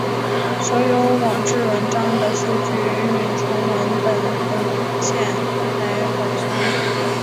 所有网志文章的数据用纯文本文件来保存。